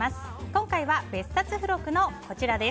今回は別冊付録のこちら。